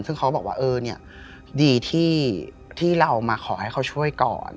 ซึ่งเขาก็บอกว่าเออเนี่ยดีที่เรามาขอให้เขาช่วยก่อน